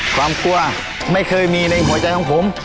ความกลัวไม่เคยมีในหัวใจของผม